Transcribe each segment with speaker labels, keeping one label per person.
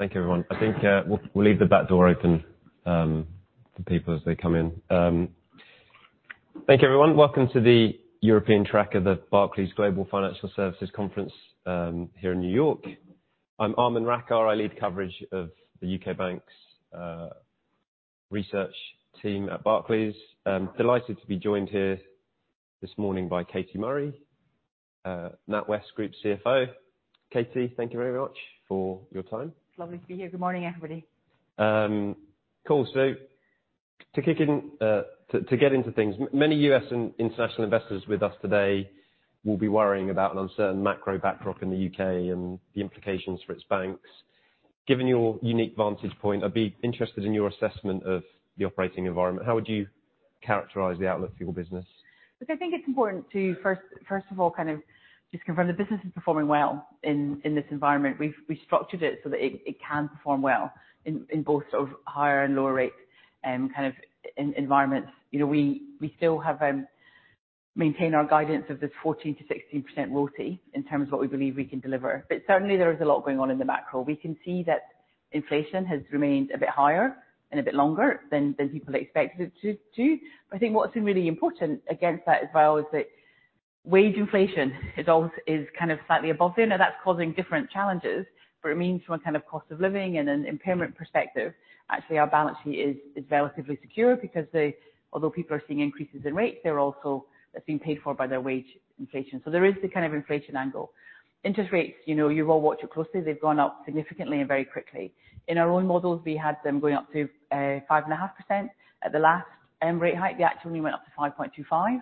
Speaker 1: Okay, thank you, everyone. I think, we'll leave the back door open, for people as they come in. Thank you, everyone. Welcome to the European track of the Barclays Global Financial Services Conference, here in New York. I'm Aman Rakkar. I lead coverage of the U.K. banks, research team at Barclays. I'm delighted to be joined here this morning by Katie Murray, NatWest Group CFO. Katie, thank you very much for your time.
Speaker 2: Lovely to be here. Good morning, everybody.
Speaker 1: Cool. So to kick in, to get into things, many U.S. and international investors with us today will be worrying about an uncertain macro backdrop in the U.K. and the implications for its banks. Given your unique vantage point, I'd be interested in your assessment of the operating environment. How would you characterize the outlook for your business?
Speaker 2: Look, I think it's important to first of all kind of just confirm the business is performing well in this environment. We've structured it so that it can perform well in both sort of higher and lower rates, kind of environments. You know, we still have maintained our guidance of this 14%-16% ROTE in terms of what we believe we can deliver. But certainly there is a lot going on in the macro. We can see that inflation has remained a bit higher and a bit longer than people expected it to. But I think what's been really important against that as well is that wage inflation is kind of slightly above there. Now, that's causing different challenges, but it means from a kind of cost of living and an impairment perspective, actually, our balance sheet is relatively secure because, although people are seeing increases in rates, they're also being paid for by their wage inflation. So there is the kind of inflation angle. Interest rates, you know, you all watch it closely. They've gone up significantly and very quickly. In our own models, we had them going up to 5.5%. At the last end rate hike, they actually only went up to 5.25. You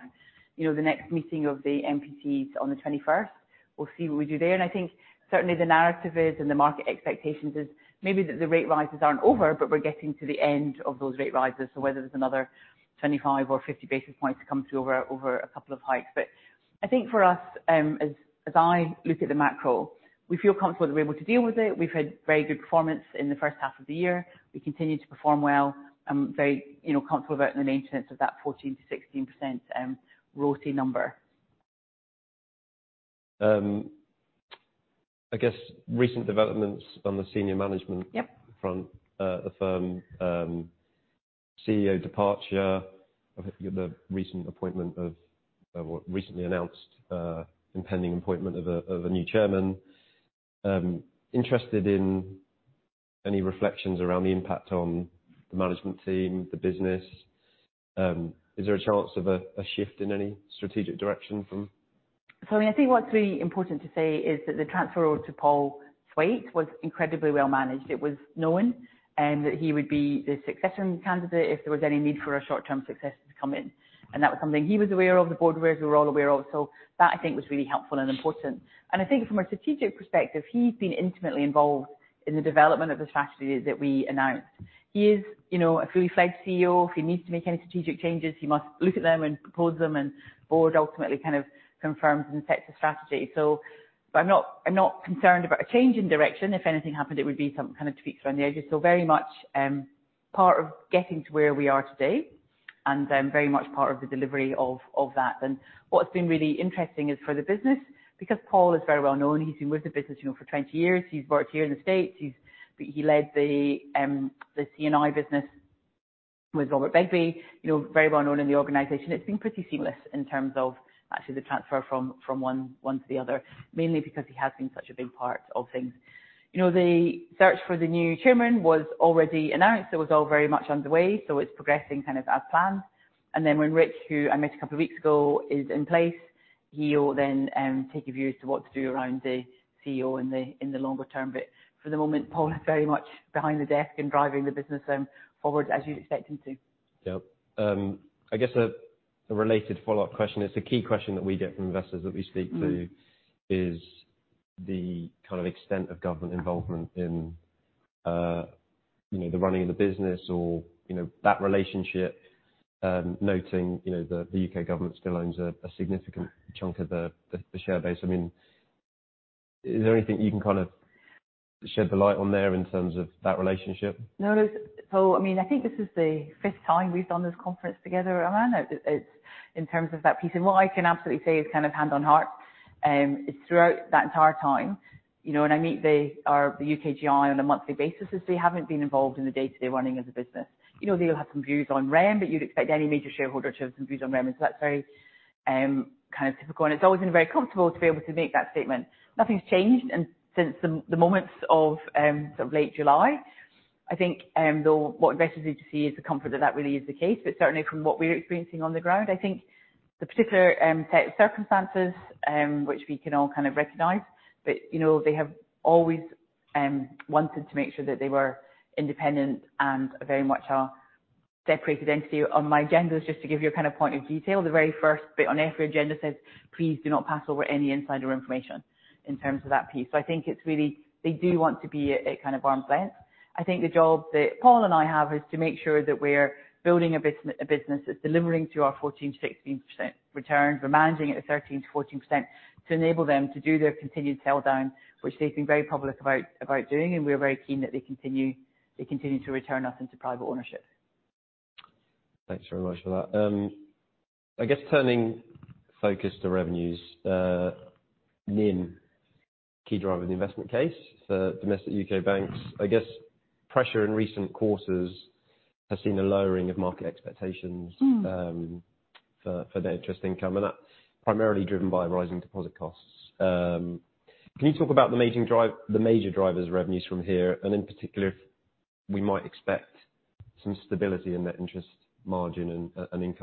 Speaker 2: know, the next meeting of the MPC is on the twenty-first. We'll see what we do there. And I think certainly the narrative is, and the market expectations is, maybe that the rate rises aren't over, but we're getting to the end of those rate rises. So whether there's another 25 or 50 basis points to come over a couple of hikes. But I think for us, as I look at the macro, we feel comfortable that we're able to deal with it. We've had very good performance in the first half of the year. We continue to perform well, I'm very, you know, comfortable about the maintenance of that 14%-16% ROTE number.
Speaker 1: I guess recent developments on the senior management-
Speaker 2: Yep.
Speaker 1: Up front, the firm CEO departure, the recent appointment of, or recently announced, impending appointment of a new chairman. Interested in any reflections around the impact on the management team, the business. Is there a chance of a shift in any strategic direction from?
Speaker 2: So I mean, I think what's really important to say is that the transfer over to Paul Thwaite was incredibly well managed. It was known, and that he would be the succession candidate if there was any need for a short-term successor to come in. And that was something he was aware of, the board were, we were all aware of. So that, I think, was really helpful and important. And I think from a strategic perspective, he's been intimately involved in the development of the strategy that we announced. He is, you know, a fully fledged CEO. If he needs to make any strategic changes, he must look at them and propose them, and the board ultimately kind of confirms and sets the strategy. So but I'm not, I'm not concerned about a change in direction. If anything happened, it would be some kind of tweaks around the edges. So very much part of getting to where we are today and then very much part of the delivery of that. Then, what's been really interesting is for the business, because Paul is very well known. He's been with the business, you know, for 20 years. He's worked here in the States. He led the CNI business with Robert Begbie, you know, very well known in the organization. It's been pretty seamless in terms of actually the transfer from one to the other, mainly because he has been such a big part of things. You know, the search for the new chairman was already announced. It was all very much underway, so it's progressing kind of as planned. Then when Rick, who I met a couple of weeks ago, is in place, he will then take a view as to what to do around the CEO in the longer term. But for the moment, Paul is very much behind the desk and driving the business forward as you'd expect him to.
Speaker 1: Yep. I guess a related follow-up question. It's a key question that we get from investors that we speak to is the kind of extent of government involvement in, you know, the running of the business or, you know, that relationship, noting, you know, the U.K. government still owns a significant chunk of the share base. I mean, is there anything you can kind of shed the light on there in terms of that relationship?
Speaker 2: No. So I mean, I think this is the fifth time we've done this conference together, Aman. It's in terms of that piece, and what I can absolutely say is kind of hand on heart, it's throughout that entire time, you know, and I meet our UKGI on a monthly basis; they haven't been involved in the day-to-day running of the business. You know, they'll have some views on Rem, but you'd expect any major shareholder to have some views on Rem. So that's very kind of typical, and it's always been very comfortable to be able to make that statement. Nothing's changed, and since the moments of sort of late July, I think, though, what investors need to see is the comfort that that really is the case. But certainly from what we're experiencing on the ground, I think the particular set of circumstances which we can all kind of recognize, but, you know, they have always wanted to make sure that they were independent and very much a separated entity. On my agenda, just to give you a kind of point of detail, the very first bit on every agenda says, "Please do not pass over any insider information," in terms of that piece. So I think it's really. They do want to be at kind of arm's length. I think the job that Paul and I have is to make sure that we're building a business that's delivering to our 14%-16% return. We're managing at a 13%-14% to enable them to do their continued sell down, which they've been very public about, about doing, and we're very keen that they continue, they continue to return us into private ownership.
Speaker 1: Thanks very much for that. I guess turning focus to revenues, NIM, key driver of the investment case for domestic U.K. banks. I guess, pressure in recent quarters has seen a lowering of market expectations for the interest income, and that's primarily driven by rising deposit costs. Can you talk about the main drivers—the major drivers of revenues from here, and in particular, if we might expect some stability in the interest margin and in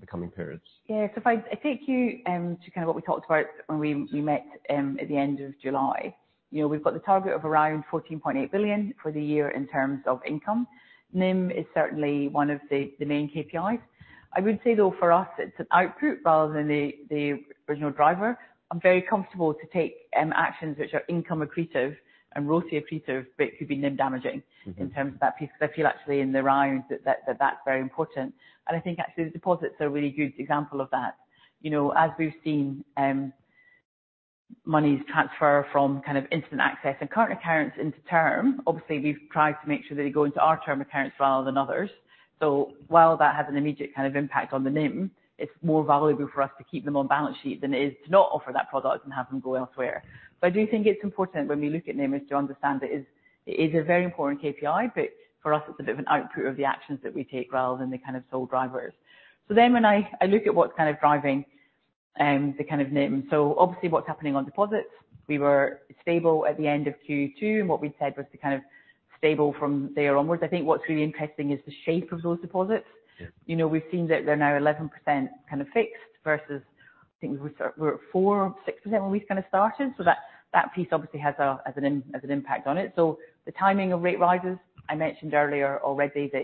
Speaker 1: the coming periods?
Speaker 2: Yeah. So if I take you to kind of what we talked about when we met at the end of July. You know, we've got the target of around 14.8 billion for the year in terms of income. NIM is certainly one of the main KPIs. I would say, though, for us, it's an output rather than the original driver. I'm very comfortable to take actions which are income accretive and ROTCE accretive, but it could be NIM damaging. In terms of that piece, because I feel actually in the round that that's very important. And I think actually, the deposits are a really good example of that. You know, as we've seen, monies transfer from kind of instant access and current accounts into term, obviously, we've tried to make sure that they go into our term accounts rather than others. So while that has an immediate kind of impact on the NIM, it's more valuable for us to keep them on balance sheet than it is to not offer that product and have them go elsewhere. But I do think it's important when we look at NIM to understand that it is a very important KPI, but for us, it's a bit of an output of the actions that we take rather than the kind of sole drivers. Then when I look at what's kind of driving the kind of NIM. Obviously, what's happening on deposits, we were stable at the end of Q2, and what we said was to kind of stable from there onwards. I think what's really interesting is the shape of those deposits.
Speaker 1: Yeah.
Speaker 2: You know, we've seen that they're now 11% kind of fixed versus, I think we were, we were at 4% or 6% when we kind of started. So that piece obviously has an impact on it. So the timing of rate rises, I mentioned earlier already that,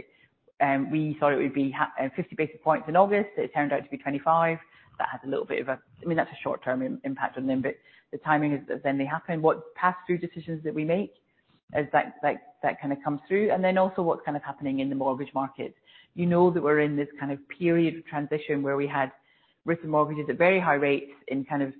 Speaker 2: we thought it would be 50 basis points in August, it turned out to be 25. That has a little bit of a—I mean, that's a short-term impact on NIM, but the timing is then they happen. What pass-through decisions that we make, is that, like, that kind of comes through, and then also what's kind of happening in the mortgage market. You know that we're in this kind of period of transition where we had written mortgages at very high rates in kind of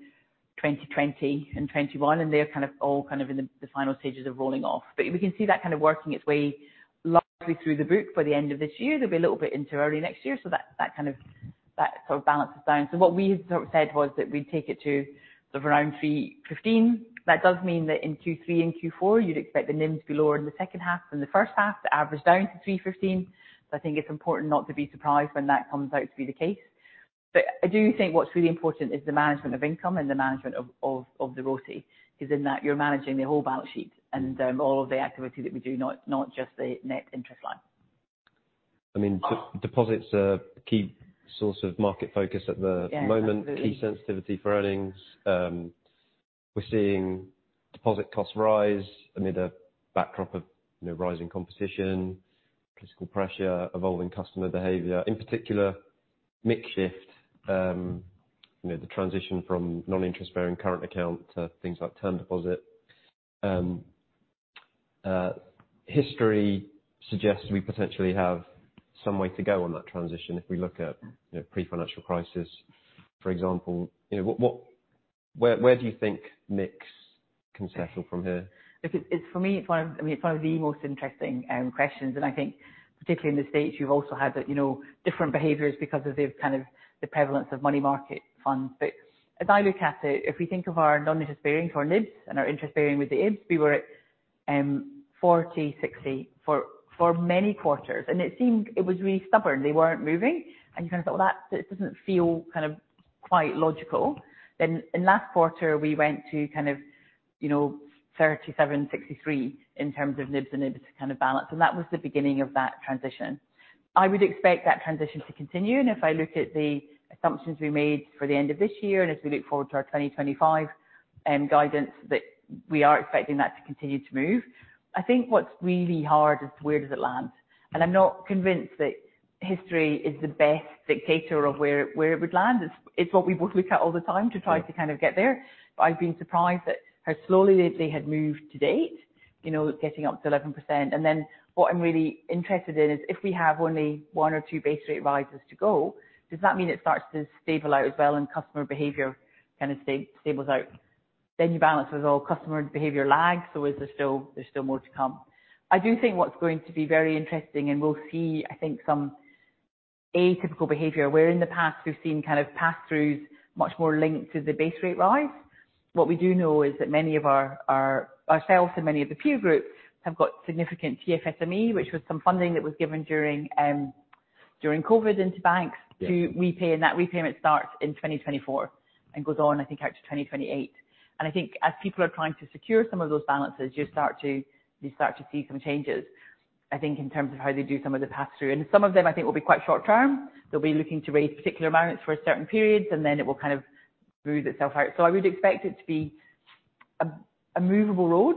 Speaker 2: 2020 and 2021, and they're kind of all kind of in the, the final stages of rolling off. But we can see that kind of working its way largely through the book by the end of this year. They'll be a little bit into early next year, so that, that kind of, that sort of balances down. So what we sort of said was that we'd take it to sort of around 3.15%. That does mean that in Q3 and Q4, you'd expect the NIM to be lower in the second half than the first half, the average down to 3.15%. So I think it's important not to be surprised when that comes out to be the case. But I do think what's really important is the management of income and the management of the ROTCE, because in that, you're managing the whole balance sheet and, all of the activity that we do, not, not just the net interest line.
Speaker 1: I mean, deposits are a key source of market focus at the.
Speaker 2: Yeah.
Speaker 1: Moment.
Speaker 2: Absolutely.
Speaker 1: Key sensitivity for earnings. We're seeing deposit costs rise amid a backdrop of, you know, rising competition, political pressure, evolving customer behavior, in particular, mix shift, you know, the transition from non-interest bearing current account to things like term deposit. History suggests we potentially have some way to go on that transition if we look at, you know, pre-financial crisis, for example. You know, where do you think mix can settle from here?
Speaker 2: It's for me, it's one of the, I mean, it's one of the most interesting questions, and I think particularly in the States, you've also had the, you know, different behaviors because of the kind of the prevalence of money market funds. But as I look at it, if we think of our non-interest bearing, for NIBs, and our interest bearing with the IB, we were at 40, 60 for many quarters. And it seemed it was really stubborn. They weren't moving, and you kind of thought, well, that doesn't feel kind of quite logical. Then in last quarter, we went to kind of, you know, 37, 63, in terms of NIBs and IB kind of balance, and that was the beginning of that transition. I would expect that transition to continue, and if I look at the assumptions we made for the end of this year, and as we look forward to our 2025 guidance, that we are expecting that to continue to move. I think what's really hard is where does it land? And I'm not convinced that history is the best dictator of where it would land. It's what we look at all the time to try to kind of get there. But I've been surprised at how slowly they had moved to date, you know, getting up to 11%. And then what I'm really interested in is if we have only one or two base rate rises to go, does that mean it starts to stable out as well, and customer behavior kind of stables out? Then you balance with all customer behavior lags, so is there still, there's still more to come. I do think what's going to be very interesting, and we'll see, I think, some atypical behavior, where in the past we've seen kind of pass-throughs much more linked to the base rate rise. What we do know is that many of our ourselves and many of the peer groups have got significant TFSME, which was some funding that was given during COVID into banks to repay, and that repayment starts in 2024 and goes on, I think, out to 2028. And I think as people are trying to secure some of those balances, you start to see some changes, I think, in terms of how they do some of the pass-through. And some of them, I think, will be quite short-term. They’ll be looking to raise particular amounts for certain periods, and then it will kind of smooth itself out. So I would expect it to be a movable road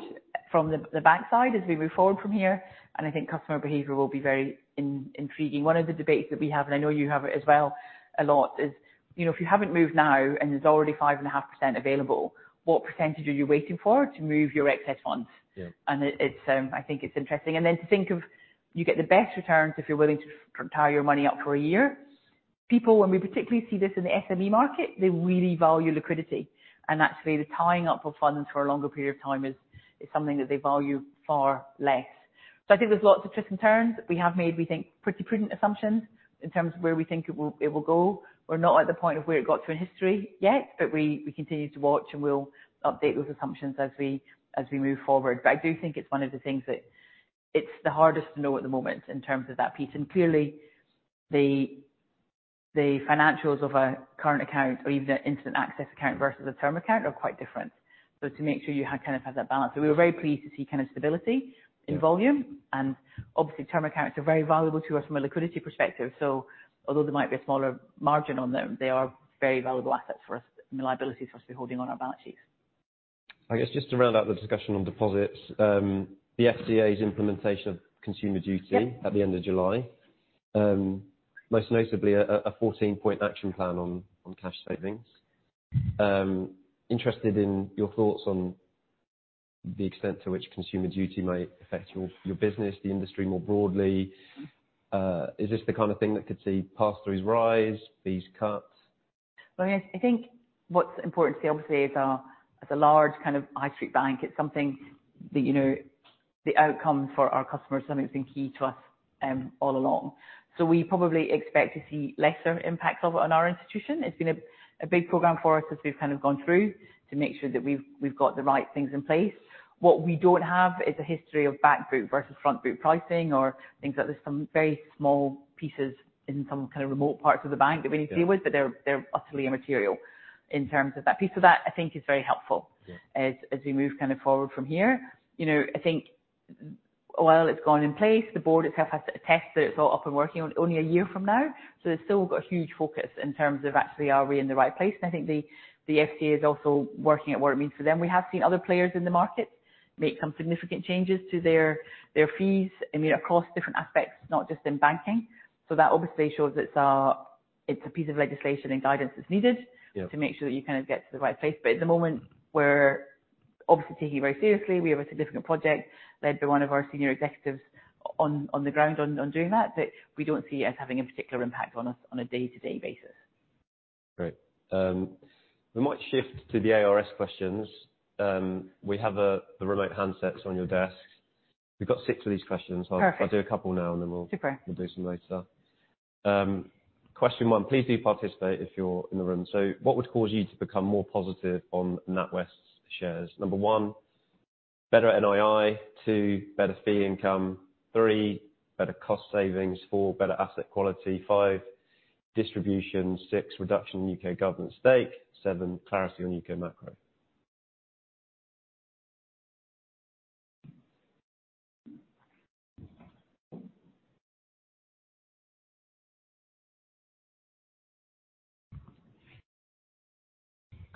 Speaker 2: from the backside as we move forward from here, and I think customer behavior will be very intriguing. One of the debates that we have, and I know you have it as well a lot, is, you know, if you haven't moved now and there's already 5.5% available, what percentage are you waiting for to move your excess funds?
Speaker 1: Yeah.
Speaker 2: And it's, I think it's interesting. And then to think of, you get the best returns if you're willing to tie your money up for a year. People, when we particularly see this in the SME market, they really value liquidity. And actually, the tying up of funds for a longer period of time is something that they value far less. So I think there's lots of twists and turns. We have made, we think, pretty prudent assumptions in terms of where we think it will go. We're not at the point of where it got to in history yet, but we continue to watch, and we'll update those assumptions as we move forward. But I do think it's one of the things that it's the hardest to know at the moment in terms of that piece. Clearly, the financials of a current account or even an instant access account versus a term account are quite different. So to make sure you have kind of that balance. So we were very pleased to see kind of stability in volume, and obviously, term accounts are very valuable to us from a liquidity perspective. So although there might be a smaller margin on them, they are very valuable assets for us, and the liability for us to be holding on our balance sheets.
Speaker 1: I guess just to round out the discussion on deposits, the FCA's implementation of Consumer Duty.
Speaker 2: Yeah.
Speaker 1: At the end of July. Most notably a 14-point action plan on cash savings. Interested in your thoughts on the extent to which Consumer Duty might affect your business, the industry more broadly. Is this the kind of thing that could see pass-throughs rise, fees cut?
Speaker 2: Well, I guess, I think what's important to see obviously is, as a large kind of high street bank, it's something that, you know, the outcome for our customers is something that's been key to us, all along. So we probably expect to see lesser impacts of it on our institution. It's been a big program for us as we've kind of gone through to make sure that we've got the right things in place. What we don't have is a history of back book versus front book pricing or things like this. There's some very small pieces in some kind of remote parts of the bank that we need to deal with.
Speaker 1: Yeah.
Speaker 2: but they're, they're utterly immaterial in terms of that piece. So that, I think, is very helpful.
Speaker 1: Yeah
Speaker 2: As we move kind of forward from here. You know, I think while it's gone in place, the board itself has to attest that it's all up and working only a year from now. So it's still got a huge focus in terms of actually, are we in the right place? And I think the FCA is also working out what it means for them. We have seen other players in the market make some significant changes to their fees, I mean, across different aspects, not just in banking. So that obviously shows it's a piece of legislation and guidance that's needed-
Speaker 1: Yeah
Speaker 2: To make sure that you kind of get to the right place. But at the moment, we're obviously taking it very seriously. We have a significant project led by one of our senior executives on the ground doing that, but we don't see it as having a particular impact on us on a day-to-day basis.
Speaker 1: Great. We might shift to the ARS questions. We have the remote handsets on your desks. We've got six of these questions.
Speaker 2: Perfect.
Speaker 1: I'll do a couple now, and then we'll.
Speaker 2: Super.
Speaker 1: We’ll do some later. Question one, please do participate if you’re in the room. So what would cause you to become more positive on NatWest’s shares? Number one, better NII. Two, better fee income. Three, better cost savings. Four, better asset quality. Five, distribution. Six, reduction in U.K. government stake. Seven, clarity on U.K. macro.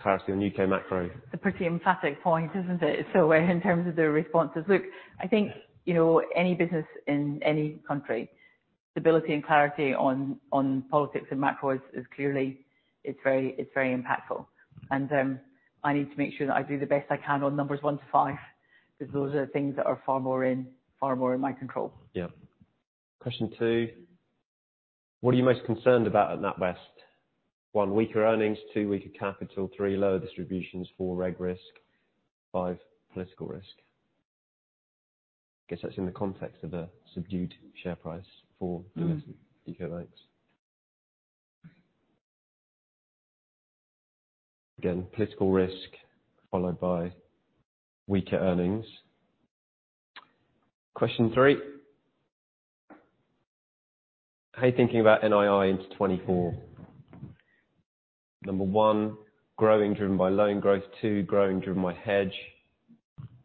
Speaker 1: Clarity on U.K. macro.
Speaker 2: A pretty emphatic point, isn't it? So in terms of the responses, look, I think, you know, any business in any country, stability and clarity on, on politics and macros is clearly. It's very, it's very impactful. And, I need to make sure that I do the best I can on numbers one to five, because those are the things that are far more in, far more in my control.
Speaker 1: Yeah. Question two: What are you most concerned about at NatWest? One, weaker earnings. Two, weaker capital. Three, lower distributions. Four, reg risk. Five, political risk. I guess that's in the context of a subdued share price for U.K. banks. Again, political risk, followed by weaker earnings. Question three: How are you thinking about NII into 2024? Number one, growing, driven by loan growth. Two, growing, driven by hedge.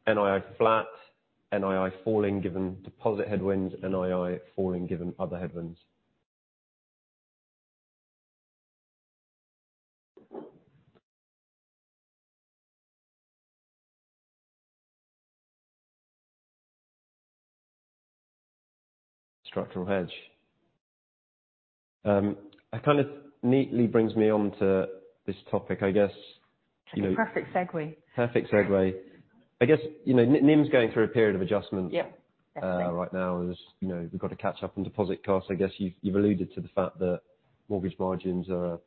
Speaker 1: NII flat, NII falling, given deposit headwinds, NII falling, given other headwinds. Structural hedge. That kind of neatly brings me on to this topic, I guess, you know.
Speaker 2: It's a perfect segue.
Speaker 1: Perfect segue. I guess, you know, NII is going through a period of adjustment.
Speaker 2: Yeah. Definitely
Speaker 1: Right now, as you know, we've got to catch up on deposit costs. I guess you've alluded to the fact that mortgage margins are,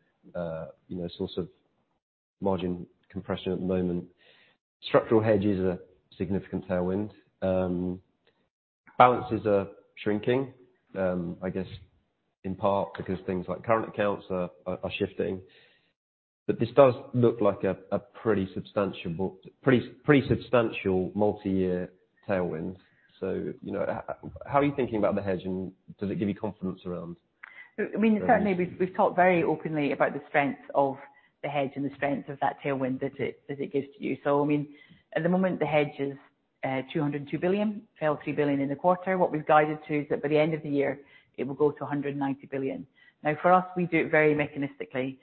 Speaker 1: you know, a source of margin compression at the moment. Structural Hedge is a significant tailwind. Balances are shrinking, I guess in part because things like current accounts are shifting, but this does look like a pretty substantial multi-year tailwind. So, you know, how are you thinking about the hedge, and does it give you confidence around?
Speaker 2: I mean, certainly, we've, we've talked very openly about the strength of the hedge and the strength of that tailwind that it, that it gives to you. So, I mean, at the moment, the hedge is 202 billion, fell 3 billion in the quarter. What we've guided to is that by the end of the year, it will go to 190 billion. Now, for us, we do it very mechanistically.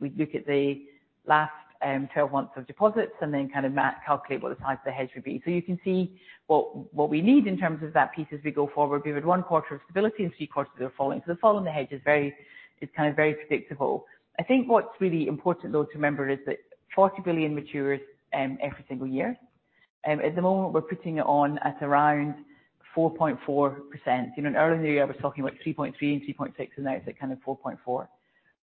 Speaker 2: We look at the last 12 months of deposits and then kind of calculate what the size of the hedge would be. So you can see what, what we need in terms of that piece as we go forward. We've had one quarter of stability and three quarters that are falling. So the fall in the hedge is very—it's kind of very predictable. I think what's really important, though, to remember, is that 40 billion matures every single year. At the moment, we're putting it on at around 4.4%. You know, earlier in the year, I was talking about 3.3% and 3.6%, and now it's at kind of 4.4%.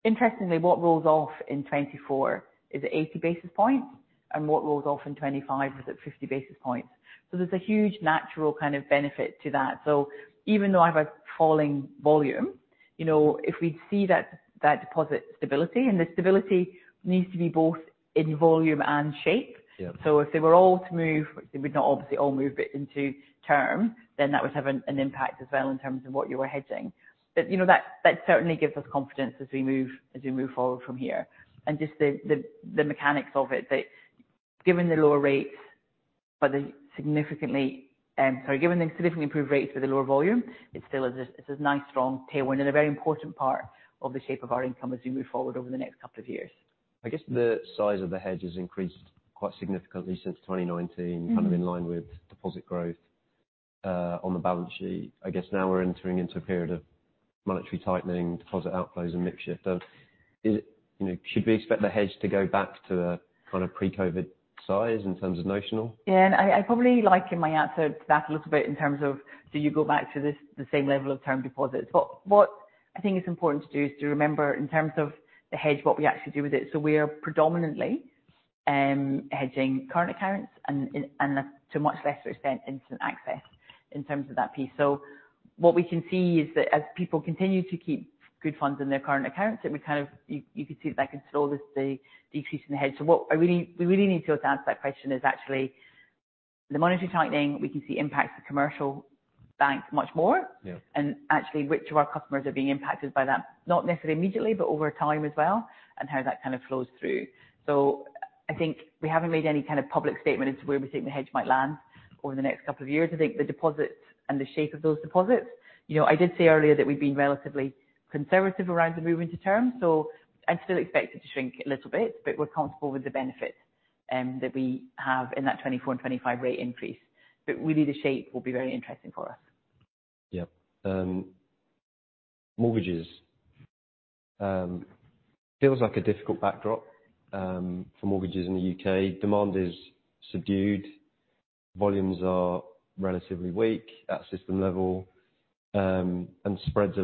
Speaker 2: Interestingly, what rolls off in 2024 is at 80 basis points, and what rolls off in 2025 is at 50 basis points. So there's a huge natural kind of benefit to that. So even though I have a falling volume, you know, if we see that, that deposit stability, and the stability needs to be both in volume and shape.
Speaker 1: Yeah.
Speaker 2: So if they were all to move, they would not obviously all move, but into term, then that would have an impact as well in terms of what you were hedging. But, you know, that certainly gives us confidence as we move forward from here. And just the mechanics of it, that given the significantly improved rates with the lower volume, it still is a nice, strong tailwind and a very important part of the shape of our income as we move forward over the next couple of years.
Speaker 1: I guess the size of the hedge has increased quite significantly since 2019. Kind of in line with deposit growth on the balance sheet. I guess now we're entering into a period of monetary tightening, deposit outflows and mix shift. So is it? You know, should we expect the hedge to go back to a kind of pre-COVID size in terms of notional?
Speaker 2: Yeah, and I, I probably like in my answer to that a little bit in terms of do you go back to this, the same level of term deposits? But what I think is important to do is to remember, in terms of the hedge, what we actually do with it. So we are predominantly hedging current accounts and to a much lesser extent, instant access in terms of that piece. So what we can see is that as people continue to keep good funds in their current accounts, it would kind of—you could see that control the decrease in the hedge. So what I really—we really need to answer that question is actually the monetary tightening, we can see impacts the commercial bank much more.
Speaker 1: Yeah.
Speaker 2: Actually, which of our customers are being impacted by that? Not necessarily immediately, but over time as well, and how that kind of flows through. I think we haven't made any kind of public statement into where we think the hedge might land over the next couple of years. I think the deposits and the shape of those deposits, you know, I did say earlier that we've been relatively conservative around the move into terms, so I'd still expect it to shrink a little bit, but we're comfortable with the benefits that we have in that 2024 and 2025 rate increase. But really, the shape will be very interesting for us.
Speaker 1: Yeah. Mortgages. Feels like a difficult backdrop for mortgages in the U.K. Demand is subdued, volumes are relatively weak at system level, and spreads are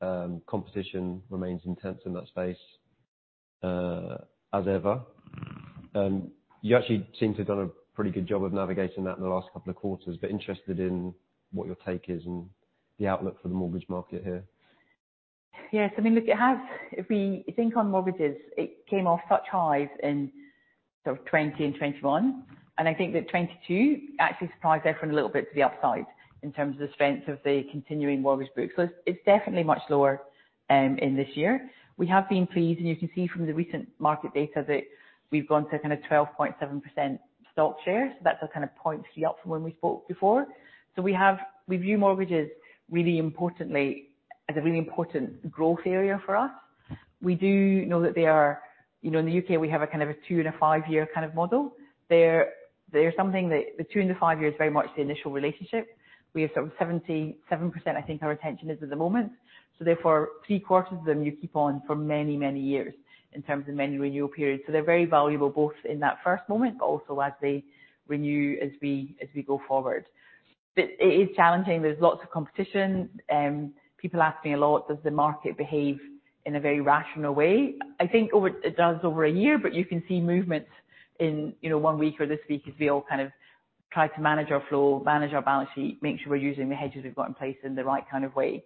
Speaker 1: low. Competition remains intense in that space, as ever. You actually seem to have done a pretty good job of navigating that in the last couple of quarters, but interested in what your take is and the outlook for the mortgage market here.
Speaker 2: Yes, I mean, look, it has, if we think on mortgages, it came off such highs in sort of 2020 and 2021, and I think that 2022 actually surprised everyone a little bit to the upside in terms of the strength of the continuing mortgage book. So it's, it's definitely much lower in this year. We have been pleased, and you can see from the recent market data that we've gone to kind of 12.7% stock share. So that's a kind of point up from when we spoke before. So we have, we view mortgages really importantly, as a really important growth area for us. We do know that they are. You know, in the U.K., we have a kind of a 2- and 5-year kind of model. They're, they're something that the 2- and 5-year is very much the initial relationship. We have sort of 77%, I think, our retention is at the moment. So therefore, three-quarters of them, you keep on for many, many years in terms of many renewal periods. So they're very valuable, both in that first moment, but also as they renew, as we go forward. But it is challenging. There's lots of competition, people ask me a lot, does the market behave in a very rational way? I think over, it does over a year, but you can see movements in, you know, one week or this week, as we all kind of try to manage our flow, manage our balance sheet, make sure we're using the hedges we've got in place in the right kind of way.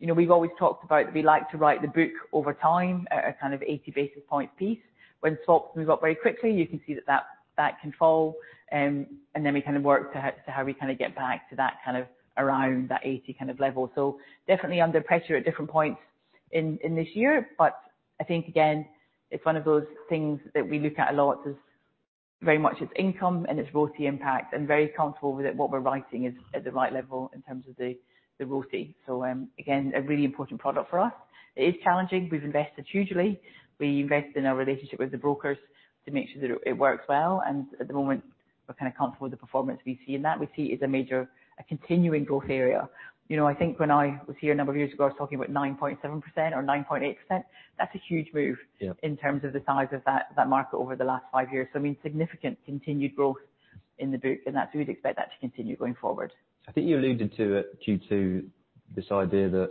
Speaker 2: You know, we've always talked about we like to write the book over time at a kind of 80 basis point piece. When swaps move up very quickly, you can see that that can fall, and then we kind of work to how we kind of get back to that kind of around that 80 kind of level. So definitely under pressure at different points in this year, but I think again, it's one of those things that we look at a lot as very much it's income and its ROTE impact, and very comfortable with it. What we're writing is at the right level in terms of the ROTE. So, again, a really important product for us. It is challenging. We've invested hugely. We invested in our relationship with the brokers to make sure that it works well, and at the moment, we're kind of comfortable with the performance we see in that. We see it is a major continuing growth area. You know, I think when I was here a number of years ago, I was talking about 9.7% or 9.8%. That's a huge move in terms of the size of that, that market over the last five years. So I mean, significant continued growth in the book, and that's what we'd expect that to continue going forward.
Speaker 1: I think you alluded to it due to this idea that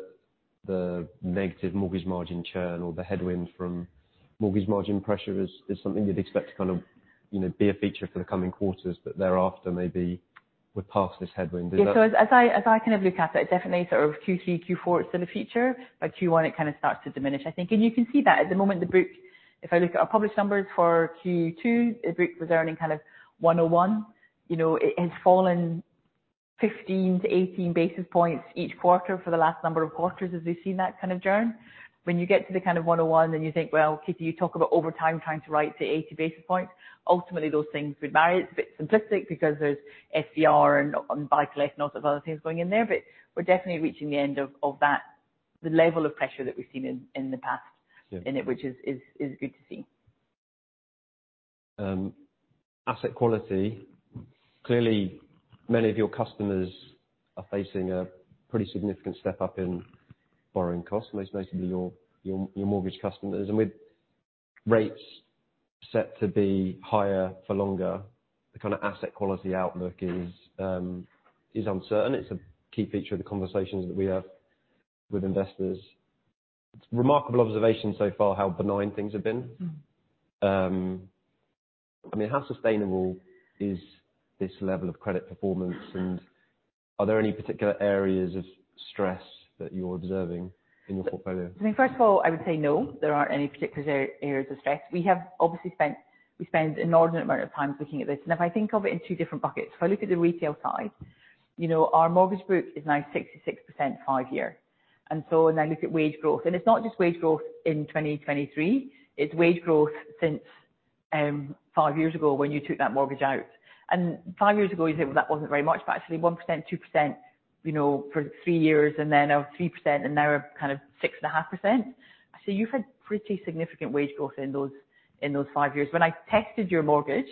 Speaker 1: the negative mortgage margin churn or the headwind from mortgage margin pressure is something you'd expect to kind of, you know, be a feature for the coming quarters, but thereafter, maybe we're past this headwind.
Speaker 2: Yeah. So as I, as I kind of look at it, it's definitely sort of Q3, Q4 it's in the future, but Q1, it kind of starts to diminish, I think. And you can see that at the moment, the book, if I look at our published numbers for Q2, the group was earning kind of 101. You know, it has fallen 15-18 basis points each quarter for the last number of quarters as we've seen that kind of churn. When you get to the kind of 101, then you think, well, Kitty, you talk about over time trying to write to 80 basis points. Ultimately, those things would vary. It's a bit simplistic because there's SVR and buy-to-let and all sorts of other things going in there, but we're definitely reaching the end of that, the level of pressure that we've seen in the past.
Speaker 1: Yeah
Speaker 2: In it, which is good to see.
Speaker 1: Asset quality? Clearly, many of your customers are facing a pretty significant step up in borrowing costs, most notably your mortgage customers. With rates set to be higher for longer, the kind of asset quality outlook is uncertain. It's a key feature of the conversations that we have with investors. Remarkable observation so far, how benign things have been. I mean, how sustainable is this level of credit performance? And are there any particular areas of stress that you're observing in your portfolio?
Speaker 2: I mean, first of all, I would say, no, there aren't any particular areas of stress. We have obviously spent - we spend an inordinate amount of time looking at this, and if I think of it in two different buckets. If I look at the retail side, you know, our mortgage book is now 66% five-year. And so when I look at wage growth, and it's not just wage growth in 2023, it's wage growth since five years ago when you took that mortgage out. And five years ago, you'd think, well, that wasn't very much, but actually 1%, 2%, you know, for three years, and then now 3%, and now kind of 6.5%. So you've had pretty significant wage growth in those, in those five years. When I tested your mortgage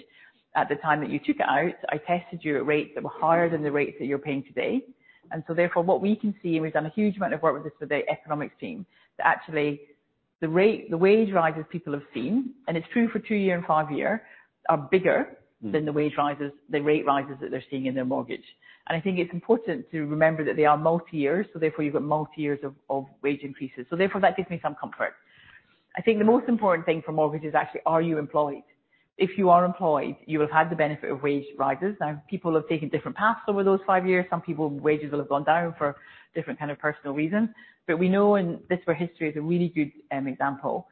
Speaker 2: at the time that you took it out, I tested you at rates that were higher than the rates that you're paying today. And so therefore, what we can see, and we've done a huge amount of work with this, with the economics team, that actually the rate, the wage rises people have seen, and it's true for two-year and five-year, are bigger than the wage rises, the rate rises that they're seeing in their mortgage. And I think it's important to remember that they are multi-years, so therefore, you've got multi years of, of wage increases. So therefore, that gives me some comfort. I think the most important thing for mortgage is actually, are you employed? If you are employed, you will have had the benefit of wage rises. Now, people have taken different paths over those five years. Some people, wages will have gone down for different kind of personal reasons. But we know, and this, where history is a really good, example,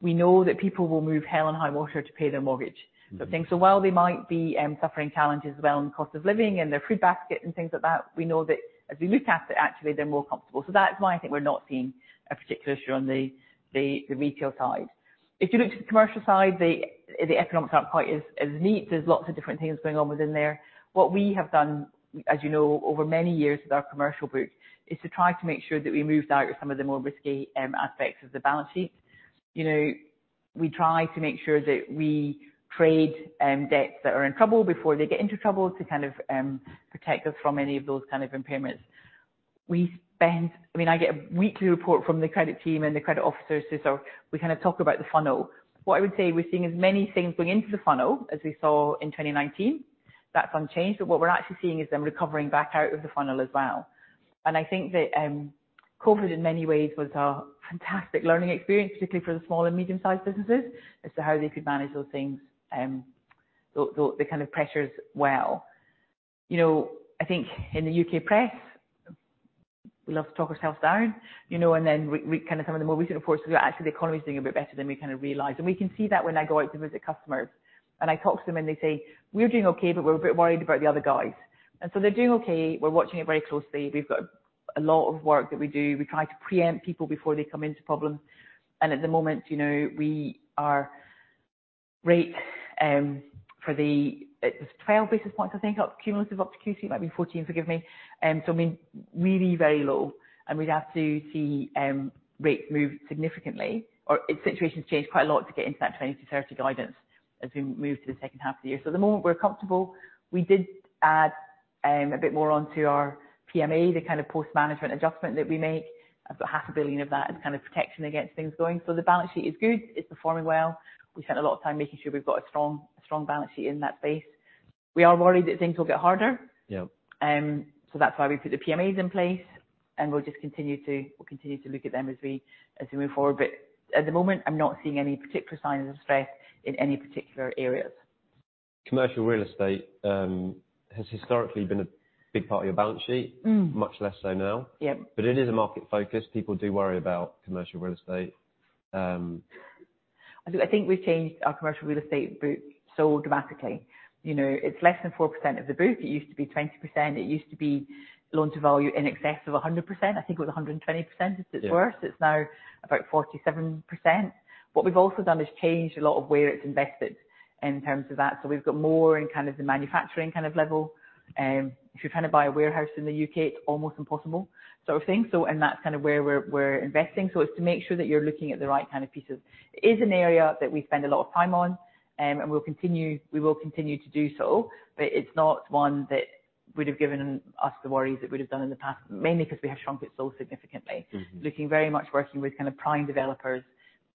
Speaker 2: we know that people will move hell and high water to pay their mortgage sort of thing. So while they might be suffering challenges as well, and cost of living and their food basket and things like that, we know that as we look at it, actually, they're more comfortable. So that's why I think we're not seeing a particular issue on the retail side. If you look to the commercial side, the economics aren't quite as neat. There's lots of different things going on within there. What we have done, as you know, over many years with our commercial group, is to try to make sure that we moved out some of the more risky aspects of the balance sheet. You know, we try to make sure that we trade debts that are in trouble before they get into trouble to kind of protect us from any of those kind of impairments. I mean, I get a weekly report from the credit team and the credit officers, so we kind of talk about the funnel. What I would say, we're seeing as many things going into the funnel as we saw in 2019. That's unchanged, but what we're actually seeing is them recovering back out of the funnel as well. And I think that, COVID in many ways was a fantastic learning experience, particularly for the small and medium-sized businesses, as to how they could manage those things, the kind of pressures well. You know, I think in the U.K. press, we love to talk ourselves down, you know, and then we, we kind of some of the more recent reports are actually, the economy is doing a bit better than we kind of realized. We can see that when I go out to visit customers, and I talk to them, and they say, "We're doing okay, but we're a bit worried about the other guys." And so they're doing okay. We're watching it very closely. We've got a lot of work that we do. We try to preempt people before they come into problems. And at the moment, you know, we are rate for the—it was 12 basis points, I think, up cumulative overlay, it might be 14, forgive me. So I mean, really very low, and we'd have to see rates move significantly, or if situations change quite a lot to get into that 20-30 guidance as we move to the second half of the year. So at the moment we're comfortable. We did add a bit more onto our PMA, the kind of post model adjustment that we make. About 500 million of that is kind of protection against things going. So the balance sheet is good, it's performing well. We spent a lot of time making sure we've got a strong balance sheet in that space. We are worried that things will get harder.
Speaker 1: Yeah.
Speaker 2: So that's why we put the PMAs in place, and we'll just continue to look at them as we move forward. But at the moment, I'm not seeing any particular signs of stress in any particular areas.
Speaker 1: Commercial real estate has historically been a big part of your balance sheet. Much less so now.
Speaker 2: Yeah.
Speaker 1: But it is a market focus. People do worry about commercial real estate.
Speaker 2: I think we've changed our commercial real estate group so dramatically. You know, it's less than 4% of the group. It used to be 20%. It used to be loan-to-value in excess of 100%. I think it was 120%.
Speaker 1: Yeah
Speaker 2: If it's worse, it's now about 47%. What we've also done is changed a lot of where it's invested in terms of that. So we've got more in kind of the manufacturing kind of level. If you're trying to buy a warehouse in the U.K., it's almost impossible sort of thing. So and that's kind of where we're investing. So it's to make sure that you're looking at the right kind of pieces. It is an area that we spend a lot of time on, and we'll continue, we will continue to do so, but it's not one that would have given us the worries that we'd have done in the past, mainly because we have shrunk it so significantly. Looking very much working with kind of prime developers,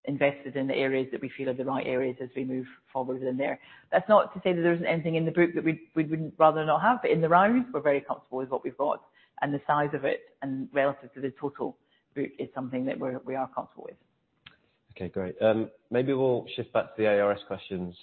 Speaker 2: invested in the areas that we feel are the right areas as we move forward in there. That's not to say that there isn't anything in the group that we, we wouldn't rather not have, but in the round, we're very comfortable with what we've got, and the size of it and relative to the total group is something that we're, we are comfortable with.
Speaker 1: Okay, great. Maybe we'll shift back to the ARS questions.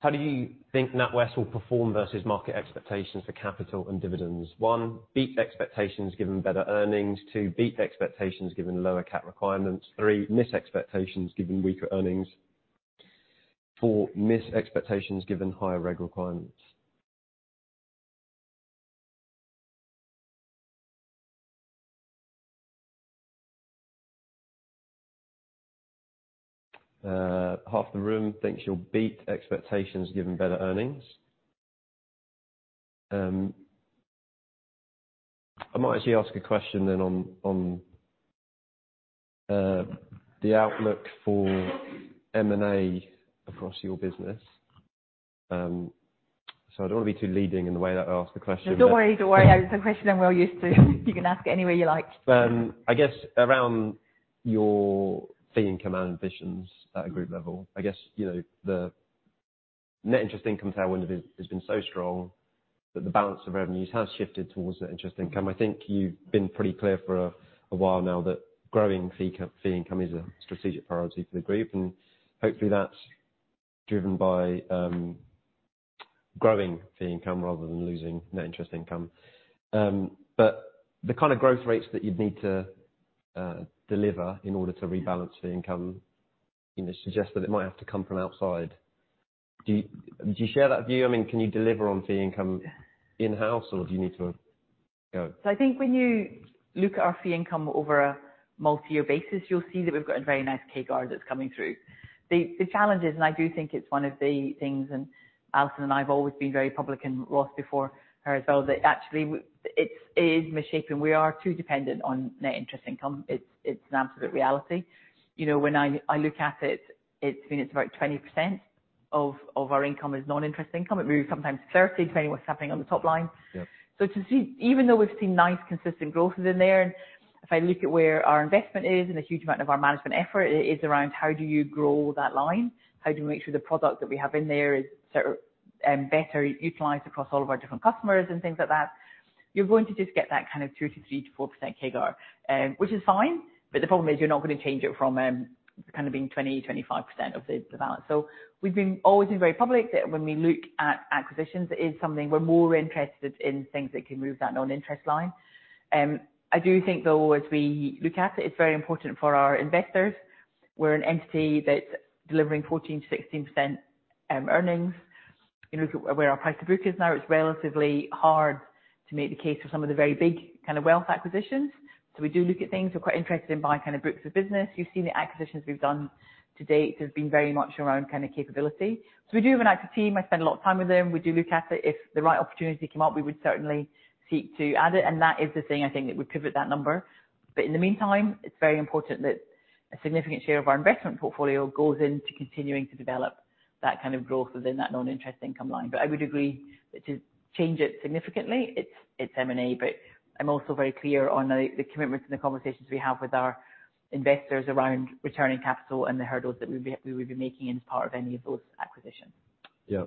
Speaker 1: How do you think NatWest will perform versus market expectations for capital and dividends? One, beat expectations given better earnings. Two, beat expectations given lower cap requirements. Three, miss expectations given weaker earnings. Four, miss expectations given higher reg requirements. Half the room thinks you'll beat expectations given better earnings. I might actually ask a question then on the outlook for M&A across your business. So I don't want to be too leading in the way that I ask the question.
Speaker 2: Don't worry. Don't worry. It's a question I'm well used to. You can ask it any way you like.
Speaker 1: I guess around your fee income and ambitions at a group level, I guess, you know, the net interest income tailwind has been so strong that the balance of revenues has shifted towards net interest income. I think you've been pretty clear for a while now that growing fee income is a strategic priority for the group, and hopefully, that's driven by growing fee income rather than losing net interest income. But the kind of growth rates that you'd need to deliver in order to rebalance the income, you know, suggests that it might have to come from outside. Do you share that view? I mean, can you deliver on fee income in-house, or do you need to go?
Speaker 2: So I think when you look at our fee income over a multi-year basis, you'll see that we've got a very nice CAGR that's coming through. The challenge is, and I do think it's one of the things, and Alison and I have always been very public, and Ross before her as well, that actually it is misshaping. We are too dependent on net interest income. It's an absolute reality. You know, when I look at it, it's about 20% of our income is non-interest income. It may be sometimes 30, depending on what's happening on the top line.
Speaker 1: Yep.
Speaker 2: So to see—even though we've seen nice consistent growth in there, and if I look at where our investment is, and a huge amount of our management effort is around, how do you grow that line? How do we make sure the product that we have in there is sort of better utilized across all of our different customers and things like that? You're going to just get that kind of 2%-4% CAGR, which is fine, but the problem is, you're not gonna change it from kind of being 20-25% of the balance. So we've been always very public, that when we look at acquisitions, it is something we're more interested in things that can move that non-interest line. I do think, though, as we look at it, it's very important for our investors. We're an entity that's delivering 14%-16% earnings. You know, where our price to book is now, it's relatively hard to make the case for some of the very big kind of wealth acquisitions. So we do look at things. We're quite interested in buying kind of groups of business. You've seen the acquisitions we've done to date have been very much around kind of capability. So we do have an active team. I spend a lot of time with them. We do look at it. If the right opportunity came up, we would certainly seek to add it, and that is the thing I think that would pivot that number. But in the meantime, it's very important that a significant share of our investment portfolio goes into continuing to develop that kind of growth within that non-interest income line. But I would agree that to change it significantly, it's M&A, but I'm also very clear on the commitments and the conversations we have with our investors around returning capital and the hurdles that we would be making as part of any of those acquisitions.
Speaker 1: Yeah.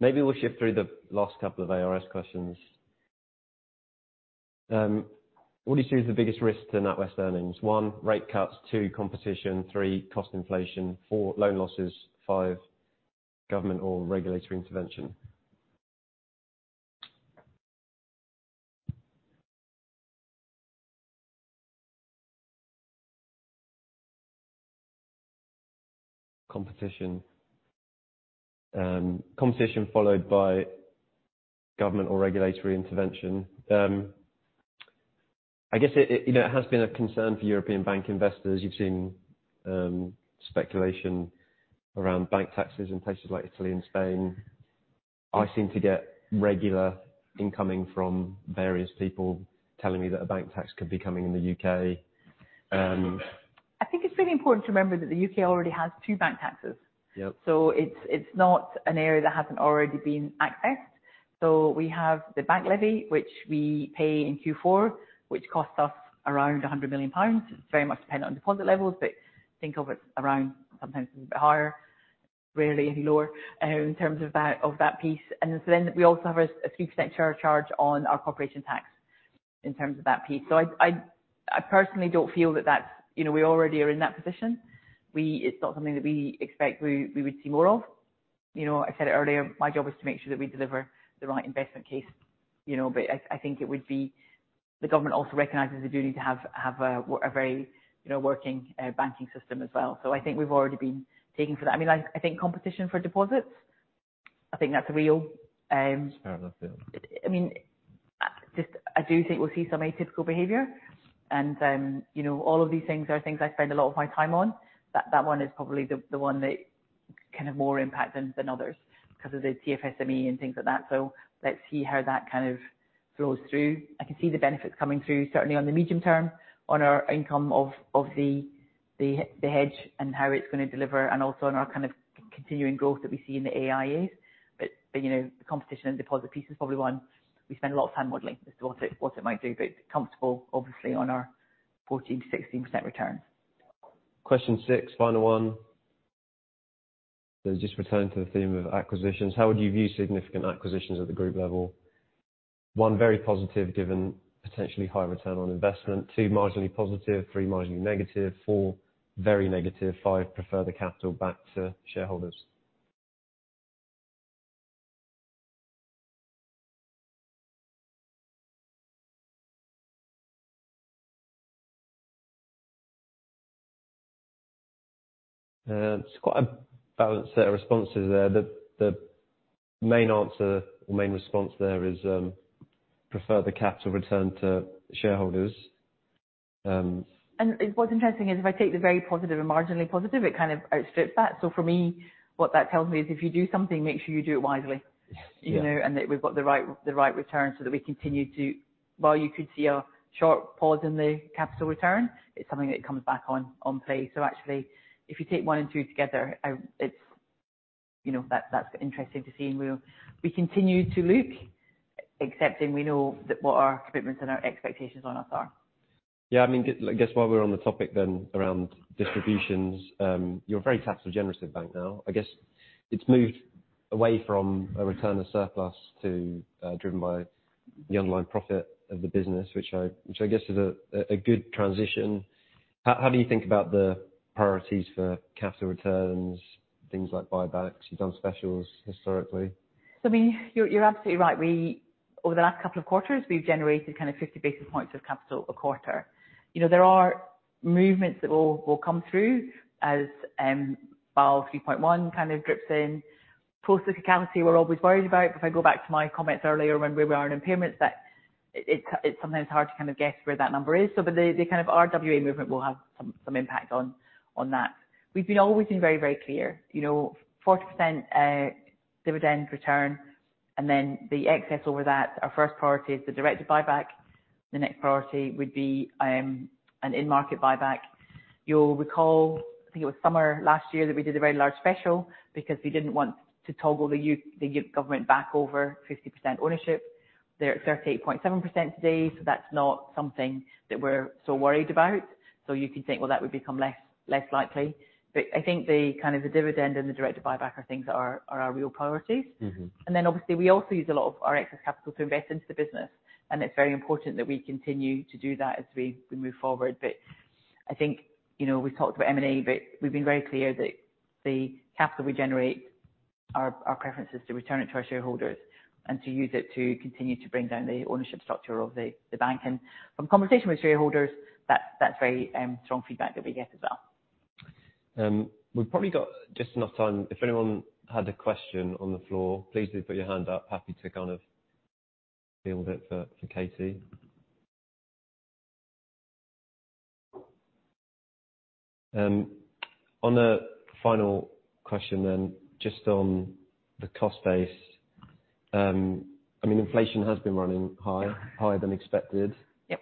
Speaker 1: Maybe we'll shift through the last couple of ARS questions. What do you see as the biggest risk to NatWest earnings? 1, rate cuts, 2, competition, 3, cost inflation, 4, loan losses, 5, government or regulatory intervention. Competition. Competition, followed by government or regulatory intervention. I guess it, it, you know, it has been a concern for European bank investors. You've seen, speculation around bank taxes in places like Italy and Spain. I seem to get regular incoming from various people telling me that a bank tax could be coming in the U.K.
Speaker 2: I think it's really important to remember that the U.K. already has two bank taxes.
Speaker 1: Yep.
Speaker 2: So it's not an area that hasn't already been accessed. So we have the bank levy, which we pay in Q4, which costs us around 100 million pounds. It's very much dependent on deposit levels, but think of it around, sometimes a bit higher, rarely any lower, in terms of that piece. And so then, we also have a 3% surcharge on our corporation tax in terms of that piece. So I personally don't feel that that's—you know, we already are in that position. We. It's not something that we expect we would see more of. You know, I said it earlier, my job is to make sure that we deliver the right investment case, you know, but I think it would be the government also recognizes we do need to have a very, you know, working banking system as well. So I think we've already been taking for that. I mean, I think competition for deposits, I think that's real.
Speaker 1: Sure. That field.
Speaker 2: I mean, just I do think we'll see some atypical behavior, and, you know, all of these things are things I spend a lot of my time on. That one is probably the one that can have more impact than others because of the TFSME and things like that. So let's see how that kind of flows through. I can see the benefits coming through, certainly on the medium term, on our income of the hedge and how it's gonna deliver, and also on our kind of continuing growth that we see in the IAs. But, you know, the competition and deposit piece is probably one we spend a lot of time modeling as to what it might do, but comfortable, obviously, on our 14%-16% return.
Speaker 1: Question 6, final one. So just returning to the theme of acquisitions, how would you view significant acquisitions at the group level? 1, very positive, given potentially high return on investment, 2, marginally +3, marginally -4, very -5, prefer the capital back to shareholders. It's quite a balanced set of responses there. The main answer or main response there is, prefer the capital return to shareholders.
Speaker 2: And what's interesting is if I take the very positive and marginally positive, it kind of outstrips that. So for me, what that tells me is if you do something, make sure you do it wisely.
Speaker 1: Yes. Yeah.
Speaker 2: You know, and that we've got the right, the right return so that we continue to, while you could see a short pause in the capital return, it's something that comes back on, on play. So actually, if you take one and two together, I, it's, you know, that, that's interesting to see, and we'll, we continue to look, accepting we know that what our commitments and our expectations on us are.
Speaker 1: Yeah, I mean, guess while we're on the topic then around distributions, you're a very capital generative bank now. I guess it's moved away from a return of surplus to driven by the online profit of the business, which I guess is a good transition. How do you think about the priorities for capital returns, things like buybacks? You've done specials historically.
Speaker 2: So I mean, you're absolutely right. We over the last couple of quarters, we've generated kind of 50 basis points of capital a quarter. You know, there are movements that will come through as Pillar 3.1 kind of drips in. Post-recession, we're always worried about, if I go back to my comments earlier when we were on impairments, that it's sometimes hard to kind of guess where that number is. So but the kind of RWA movement will have some impact on that. We've always been very, very clear, you know, 40% dividend return, and then the excess over that, our first priority is the directed buyback. The next priority would be an in-market buyback. You'll recall, I think it was summer last year, that we did a very large special because we didn't want to toggle the U.K., the U.K. government back over 50% ownership. They're at 38.7% today, so that's not something that we're so worried about. So you could think, well, that would become less, less likely. But I think the kind of the dividend and the directed buyback are things that are, are our real priorities. Then obviously, we also use a lot of our excess capital to invest into the business, and it's very important that we continue to do that as we move forward. But I think, you know, we've talked about M&A, but we've been very clear that the capital we generate, our preference is to return it to our shareholders and to use it to continue to bring down the ownership structure of the bank. And from conversation with shareholders, that's very strong feedback that we get as well.
Speaker 1: We've probably got just enough time. If anyone had a question on the floor, please do put your hand up. Happy to kind of field it for, for Katie. On a final question then, just on the cost base, I mean, inflation has been running high, higher than expected.
Speaker 2: Yep.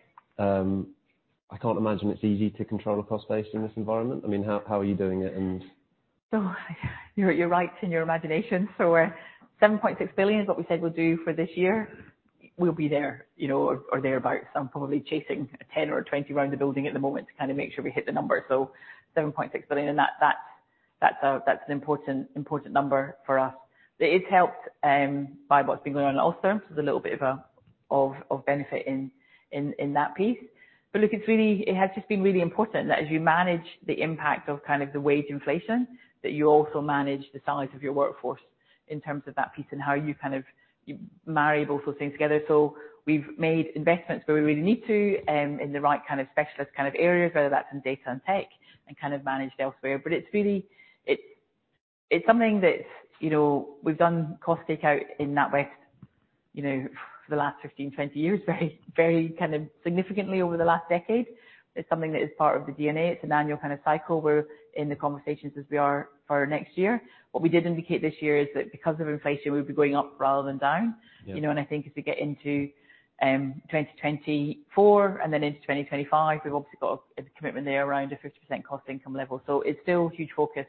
Speaker 1: I can't imagine it's easy to control a cost base in this environment. I mean, how are you doing it, and.
Speaker 2: Oh, you're right in your imagination. So 7.6 billion is what we said we'll do for this year. We'll be there, you know, or thereabout. So I'm probably chasing a 10 or a 20 around the building at the moment to kind of make sure we hit the numbers. So 7.6 billion, and that, that's an important, important number for us. It is helped by what's been going on in Ulster, so there's a little bit of a benefit in that piece. But look, it's really. It has just been really important that as you manage the impact of kind of the wage inflation, that you also manage the size of your workforce in terms of that piece and how you kind of, you marry both those things together. So we've made investments where we really need to, in the right kind of specialist kind of areas, whether that's in data and tech, and kind of managed elsewhere. But it's really—it, it's something that, you know, we've done cost takeout in that way, you know, for the last 15, 20 years, very, very, kind of significantly over the last decade. It's something that is part of the DNA. It's an annual kind of cycle. We're in the conversations as we are for next year. What we did indicate this year is that because of inflation, we'll be going up rather than down.
Speaker 1: Yeah.
Speaker 2: You know, and I think as we get into 2024 and then into 2025, we've obviously got a commitment there around a 50% cost income level. So it's still a huge focus.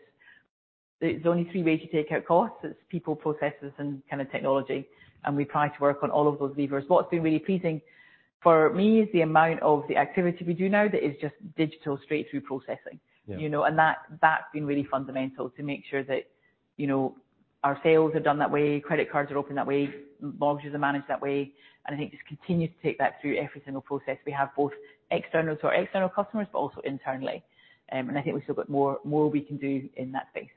Speaker 2: There's only three ways to take out costs. It's people, processes, and kind of technology, and we try to work on all of those levers. What's been really pleasing for me is the amount of the activity we do now that is just digital straight through processing.
Speaker 1: Yeah.
Speaker 2: You know, and that, that's been really fundamental to make sure that, you know, our sales are done that way, credit cards are opened that way, mortgages are managed that way. And I think just continue to take that through every single process. We have both externals to our external customers, but also internally. And I think we've still got more we can do in that space.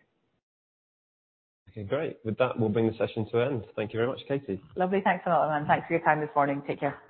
Speaker 1: Okay, great. With that, we'll bring the session to end. Thank you very much, Katie.
Speaker 2: Lovely. Thanks a lot, everyone. Thanks for your time this morning. Take care.